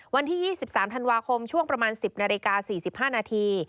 วันที่๒๓ธันวาคมช่วงประมาณ๑๐นาฬิกา๔๕นาที